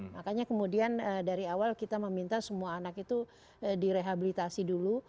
makanya kemudian dari awal kita meminta semua anak itu direhabilitasi dulu